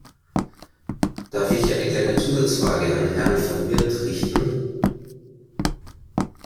Darf ich eine kleine Zusatzfrage an Herrn van Miert richten?